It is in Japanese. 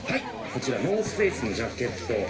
こちら、ノース・フェイスのジャケット。